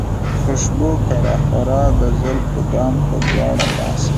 خوشبو که راخوره د زلفو دام پۀ دواړه لاسه